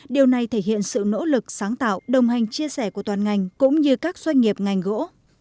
điều này thể hiện sự nỗ lực sáng tạo đồng hành chia sẻ của toàn ngành cũng như các doanh nghiệp ngành gỗ